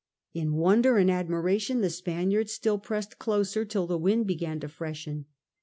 In wonder and admira tion the Spaniards still pressed closer till the wind began to freshen.